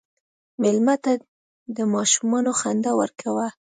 مېلمه ته د ماشومان خندا ورکوه.